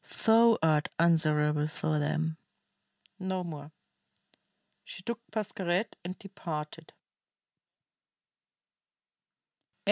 Thou art answerable for them." No more. She took Pascherette and departed.